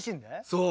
そう。